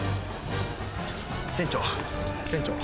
船長船長。